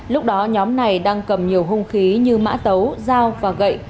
lúc đó nhóm này đang cầm nhiều hung khí như mã tấu dao và gậy